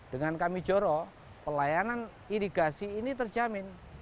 dengan kamijoro pelayanan irigasi ini terjamin